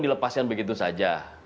dilepaskan begitu saja